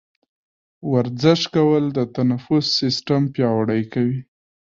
ورزش کول د تنفس سیستم پیاوړی کوي.